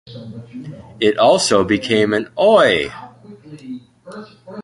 It also became an Oi!